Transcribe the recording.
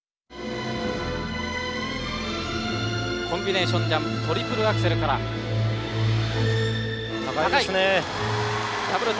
コンビネーションジャンプトリプルアクセルから高い！